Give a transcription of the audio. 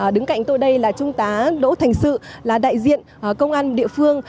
đứng cạnh tôi đây là trung tá đỗ thành sự là đại diện công an địa phương